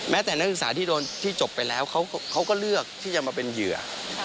แต่นักศึกษาที่โดนที่จบไปแล้วเขาก็เลือกที่จะมาเป็นเหยื่อ